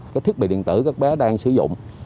cái thiết bị điện tử các bé đang sử dụng